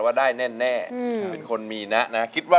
สุดชื่นสุขสม